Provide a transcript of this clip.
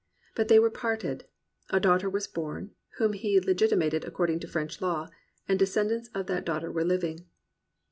But they were parted. A daughter was born, (whom he legiti mated according to French law,) and descendants of that daughter were Uving.